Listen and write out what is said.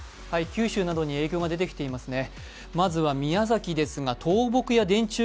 九州などに影響が出てきていますね。